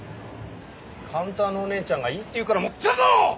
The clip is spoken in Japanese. カウンターのお姉ちゃんがいいって言うから持ってきたんだろ！